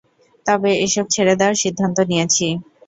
তবে, এসব ছেড়ে দেওয়ার সিদ্ধান্ত নিয়েছি।